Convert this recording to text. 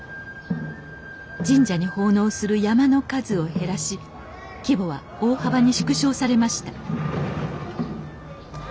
神社に奉納する山車の数を減らし規模は大幅に縮小されました